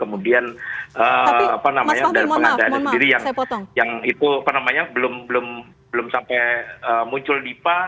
kemudian apa namanya dari pengadilan sendiri yang itu apa namanya belum sampai muncul dipa